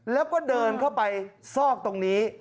แล้วก็เดินเข้าไปซอกตรงนี้